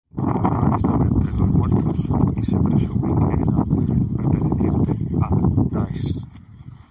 El autor estaba entre los muertos y se presume que era perteneciente al Daesh.